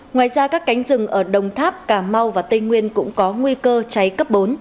ngoài ra các cánh rừng ở đồng tháp cà mau và tây nguyên cũng có nguy cơ cháy cấp bốn